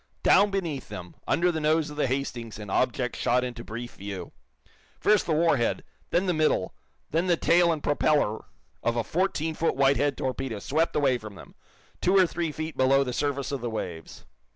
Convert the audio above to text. Down beneath them, under the nose of the "Hastings" an object shot into brief view. First the war head, then the middle, then the tail and propeller of a fourteen foot Whitehead torpedo swept away from them, two or three feet below the surface of the waves.